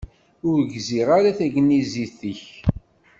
Ur gziɣ ara tagnizit-ik.